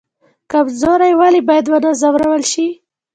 کمزوری ولې باید ونه ځورول شي؟